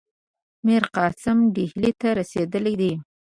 میرقاسم ډهلي ته رسېدلی دی.